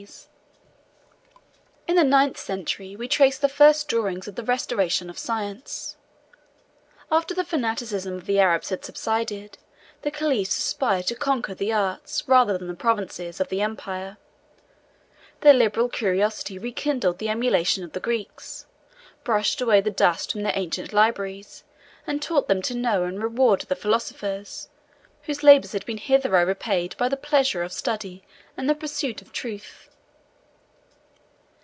] In the ninth century we trace the first dawnings of the restoration of science. 106 After the fanaticism of the Arabs had subsided, the caliphs aspired to conquer the arts, rather than the provinces, of the empire: their liberal curiosity rekindled the emulation of the Greeks, brushed away the dust from their ancient libraries, and taught them to know and reward the philosophers, whose labors had been hitherto repaid by the pleasure of study and the pursuit of truth.